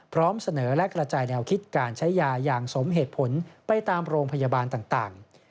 พร้อมเสนอและกระจายแนวคิดการใช้ยาอย่างสมเหตุผลไปตามโรงพยาบาลต่าง